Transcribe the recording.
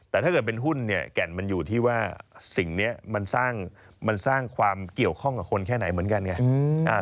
แต่ถ้าเกิดเป็นหุ้นเนี่ยแก่นมันอยู่ที่ว่าสิ่งนี้มันสร้างความเกี่ยวข้องกับคนแค่ไหนเหมือนกันไง